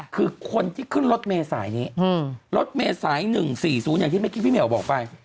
คือคนที่ขึ้นรถเมษายนี้รถเมษาย๑๔๐อย่างที่เมื่อกี้พี่เหี่ยวบอกไป